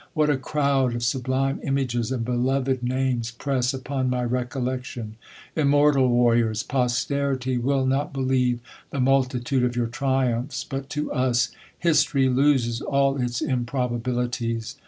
W hat a crowd of sublime images and beloved names press upon my recollection ! "immortal wamors, posterity will not believe the multitude of your triumphs ; but to u=^ history loses all its improbabilities.